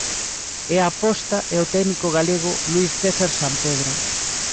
E a aposta é o técnico galego Luís César Sampedro.